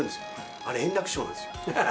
あれ、円楽師匠ですよ。